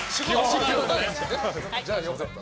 じゃあ良かった。